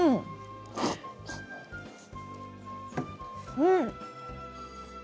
うん。